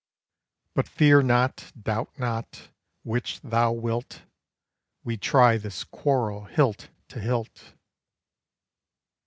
But fear not doubt not which thou wilt We try this quarrel hilt to hilt."